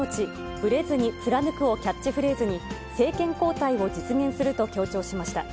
ぶれずに、つらぬくをキャッチフレーズに、政権交代を実現すると強調しました。